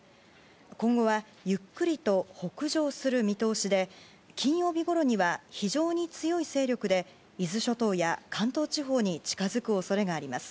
今後はゆっくりと北上する見通しで金曜日ごろには非常に強い勢力で伊豆諸島や関東地方に近づく恐れがあります。